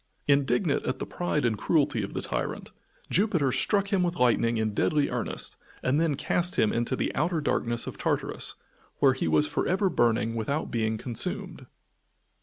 Indignant at the pride and cruelty of the tyrant, Jupiter struck him with lightning in deadly earnest and then cast him into the outer darkness of Tartarus, where he was for ever burning without being consumed.